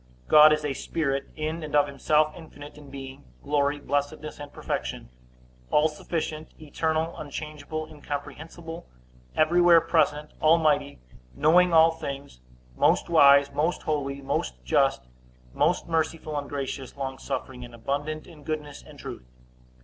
God is a Spirit, in and of himself infinite in being, glory, blessedness, and perfection; all sufficient, eternal, unchangeable, incomprehensible, everywhere present, almighty, knowing all things, most wise, most holy, most just, most merciful and gracious, longsuffering, and abundant in goodness and truth.